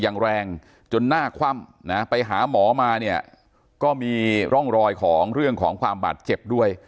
อย่างแรงจนหน้าคว่ำนะไปหาหมอมาเนี่ยก็มีร่องรอยของเรื่องของความบาดเจ็บด้วย